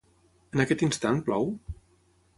En aquest instant plou?